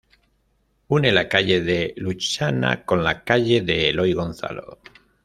Une la calle de Luchana con la calle de Eloy Gonzalo.